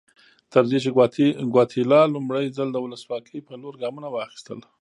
تر دې چې ګواتیلا لومړی ځل د ولسواکۍ په لور ګامونه واخیستل.